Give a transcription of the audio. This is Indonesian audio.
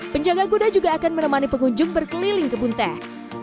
penjaga kuda juga akan menemani pengunjung berkeliling kebun teh